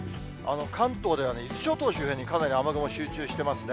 関東では伊豆諸島周辺にかなり雨雲、集中してますね。